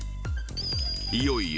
いよいよ